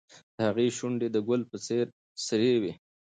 د هغې شونډې د ګل په څېر سرې وې.